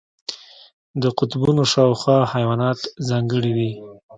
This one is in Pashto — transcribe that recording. د قطبونو شاوخوا حیوانات ځانګړي دي.